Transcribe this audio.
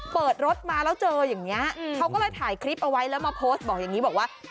เปิดรถมาแล้วเจออย่างนี้เขาก็เลยถ่ายคลิปเอาไว้แล้วมาโพสต์บอกอย่างนี้บอกว่า